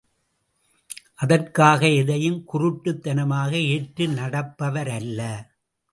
அதற்காக எதையும் குருட்டுத் தனமாக ஏற்று நடப்பவரல்ல!